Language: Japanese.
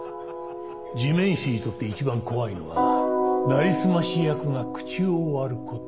地面師にとって一番怖いのはなりすまし役が口を割る事。